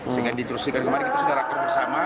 sehingga diturunkan kemarin kita sudah rakam bersama